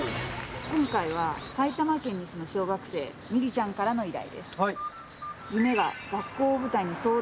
今回は埼玉県に住む小学生ミリちゃんからの依頼です